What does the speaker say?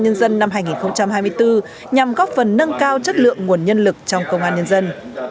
nhân dân năm hai nghìn hai mươi bốn nhằm góp phần nâng cao chất lượng nguồn nhân lực trong công an nhân dân